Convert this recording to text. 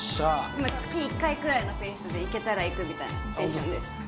今月一回くらいのペースで行けたら行くみたいなテンションです